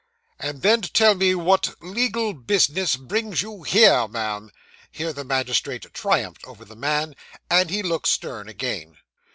'And then tell me what legal business brings you here, ma'am.' Here the magistrate triumphed over the man; and he looked stern again.